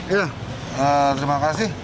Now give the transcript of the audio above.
ya terima kasih